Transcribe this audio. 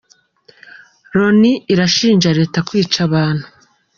Loni irashinja Leta kwica abantu